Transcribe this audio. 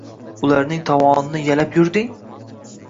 Ularning tovonini yalab yurding?!